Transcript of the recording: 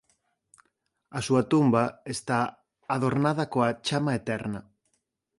A súa tumba está adornada coa "Chama Eterna".